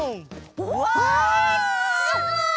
うわすごい！